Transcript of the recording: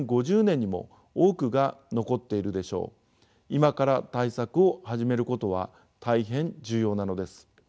今から対策を始めることは大変重要なのです。